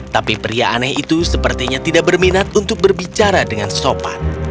tapi pria aneh itu sepertinya tidak berminat untuk berbicara dengan sopan